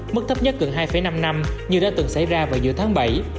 mức thấp nhất gần hai năm năm như đã từng xảy ra vào giữa tháng bảy